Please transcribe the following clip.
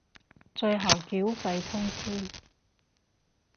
最後繳費通知